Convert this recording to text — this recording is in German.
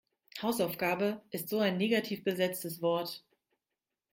Hausaufgabe ist so ein negativ besetztes Wort.